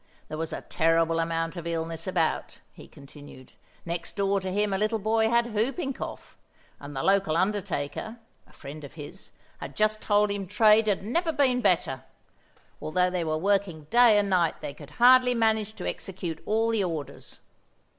There was a terrible amount of illness about, he continued; next door to him a little boy had whooping cough, and the local undertaker, a friend of his, had just told him trade had never been better; although they were working day and night they could hardly manage to execute all the orders.